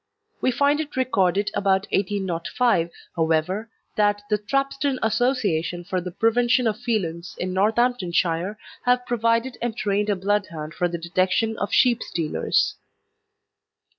We find it recorded about 1805, however, that "the Thrapston Association for the Prevention of Felons in Northamptonshire have provided and trained a Bloodhound for the detection of sheep stealers."